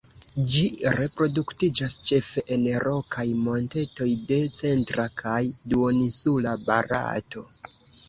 Ĝi reproduktiĝas ĉefe en rokaj montetoj de centra kaj duoninsula Barato.